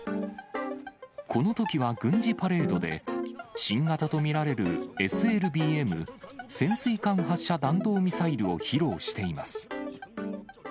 このときは軍事パレードで、新型と見られるＳＬＢＭ・潜水艦発射弾道ミサイルを披露しています。